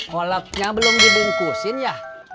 kolaknya belum dibungkusin ya